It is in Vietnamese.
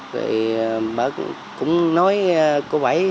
vì bà cũng nói cô bảy